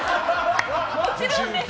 もちろんです。